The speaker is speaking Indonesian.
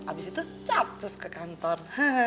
abis itu capcus ke kantor